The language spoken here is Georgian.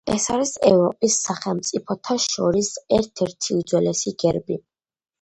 ეს არის ევროპის სახელმწიფოთა შორის ერთ-ერთი უძველესი გერბი.